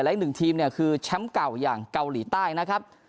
และอีกหนึ่งทีมเนี่ยคือแชมป์เก่าอย่างเกาหลีใต้นะครับ